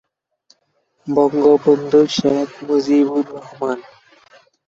অক্সফোর্ডের Pitt নদী জাদুঘরে তার তোলা তিব্বতের ছবি সংরক্ষিত রয়েছে।